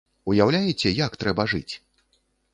Уяўляеце, як трэба жыць?